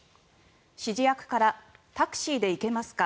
指示役からタクシーで行けますか？